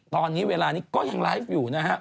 ตอนนี้เวลานี้ก็ยังไลฟ์อยู่นะฮะ